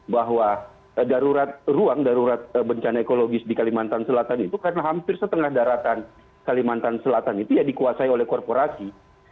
bahwa ruang darurat bencana ekologis di kalimantan selatan itu karena hampir setengah daratan kalimantan selatan itu ya dikuasai oleh korporasi